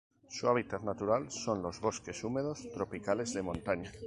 Su hábitat natural son los bosques húmedos tropicales de montaña.